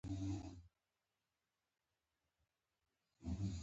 که غواړی چي ښه صحت ولرئ؟